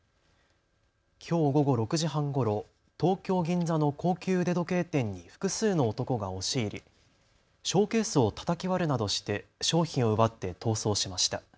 きょう午後６時半ごろ東京銀座の高級腕時計店に複数の男が押し入りショーケースをたたき割るなどして商品を奪って逃走しました。